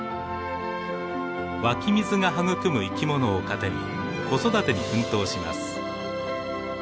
湧き水が育む生き物を糧に子育てに奮闘します。